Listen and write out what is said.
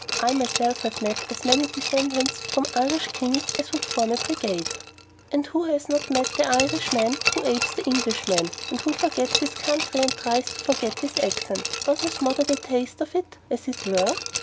I myself have met as many descendants from Irish kings as would form a brigade. And who has not met the Irishman who apes the Englishman, and who forgets his country and tries to forget his accent, or to smother the taste of it, as it were?